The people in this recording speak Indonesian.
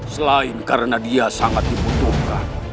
selain karena dia sangat dibutuhkan